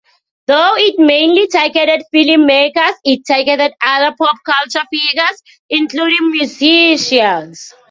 Though it mainly targeted film makers, it targeted other pop-culture figures, including musicians.